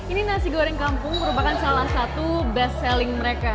ini nasi goreng kampung merupakan salah satu best selling mereka